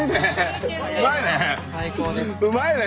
うまいね。